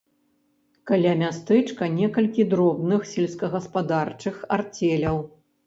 Каля мястэчка некалькі дробных сельскагаспадарчых арцеляў.